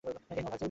এই নাও, ভার্জিল।